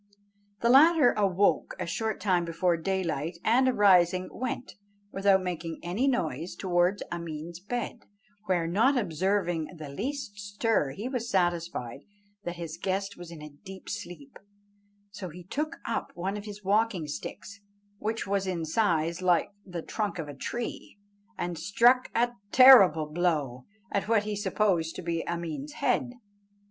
The latter awoke a short time before daylight, and rising, went, without making any noise, towards Ameen's bed, where, not observing the least stir, he was satisfied that his guest was in a deep sleep; so he took up one of his walking sticks, which was in size like the trunk of a tree, and struck a terrible blow at what he supposed to be Ameen's head.